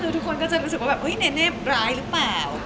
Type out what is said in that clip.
คือทุกคนก็จะรู้สึกว่าแบบเนเน่ร้ายหรือเปล่า